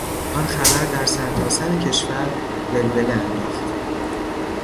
آن خبر در سرتاسر کشور ولوله انداخت.